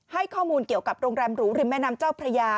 ให้ข้อมูลเกี่ยวกับโรงแรมหรูริมแม่น้ำเจ้าพระยา